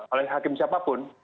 oleh hakim siapapun